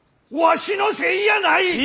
わしのせいやない！